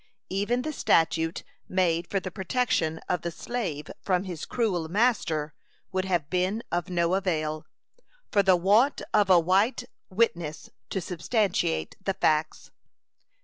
Even the statute made for the protection of the slave from his cruel master, would have been of no avail, for the want of a white witness to substantiate the facts.